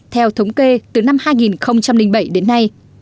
theo thống kê từ năm hai nghìn bảy đến nay